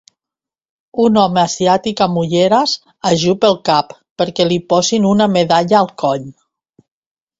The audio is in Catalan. Un home asiàtic amb ulleres ajup el cap perquè li posin una medalla al coll.